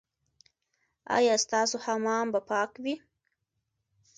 ایا ستاسو حمام به پاک وي؟